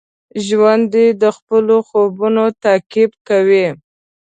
ژوندي د خپلو خوبونو تعقیب کوي